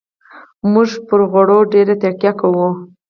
موږ پر غوړ ډېره تکیه کوو.